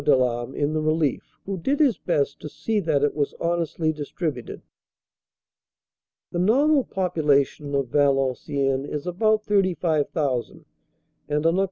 Delame in the relief, who did his best to see that it was honestly distributed. The normal population of Valenciennes is about 35,000 and on Oct.